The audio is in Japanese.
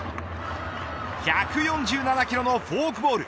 １４７キロのフォークボール。